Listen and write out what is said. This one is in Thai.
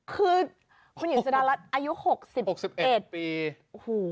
คือคุณหญิงสุดาลัดอายุ๖๑ปีโอ้โห